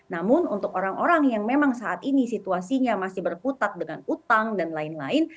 namun untuk orang orang yang memang saat ini situasinya masih berkutat dengan utang dan lain lain